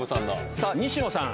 さあ、西野さん。